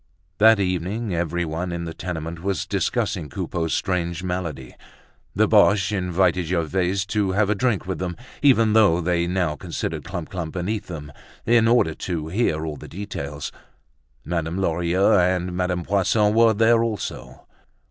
That evening everyone in the tenement was discussing Coupeau's strange malady. The Boches invited Gervaise to have a drink with them, even though they now considered Clump clump beneath them, in order to hear all the details. Madame Lorilleux and Madame Poisson were there also.